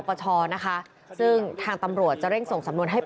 พตรพูดถึงเรื่องนี้ยังไงลองฟังกันหน่อยค่ะ